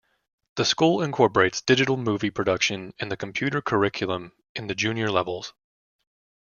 The school incorporates digital movie production in the computer curriculum in the junior levels.